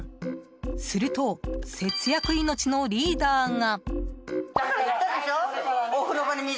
すると、節約命のリーダーが。